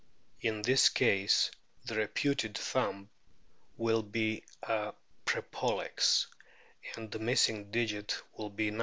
In this case the reputed thumb will be a prepollex, and the missing digit will be No.